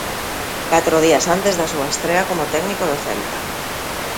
Catro días antes da súa estrea como técnico do Celta.